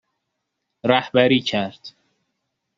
رهبری کرد